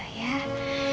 kak fadil yang tabar ya